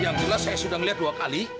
yang jelas saya sudah melihat dua kali